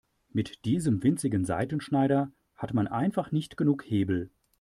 Mit diesem winzigen Seitenschneider hat man einfach nicht genug Hebel.